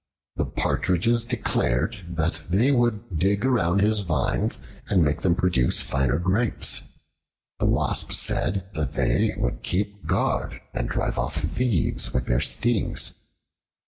The Partridges declared that they would dig around his vines and make them produce finer grapes. The Wasps said that they would keep guard and drive off thieves with their stings.